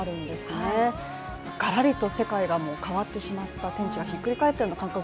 がらりと世界が変わってしまった天地がひっくり返ったような感覚